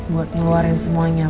buat ngeluarin semuanya